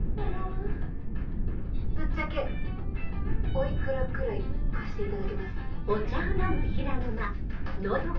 ぶっちゃけお幾らくらい貸していただけます？